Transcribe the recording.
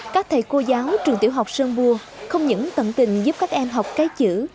các thầy cô giáo trường tiểu học sơn bua không những tận tình giúp các em học cái chữ